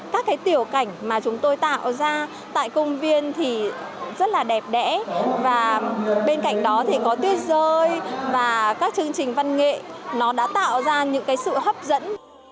các cái tiểu cảnh mà chúng tôi tạo ra tại công viên thì rất là đẹp đẽ và bên cạnh đó thì có tuyết rơi và các chương trình văn nghệ nó đã tạo ra những cái sự hấp dẫn